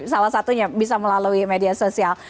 salah satunya bisa melalui media sosial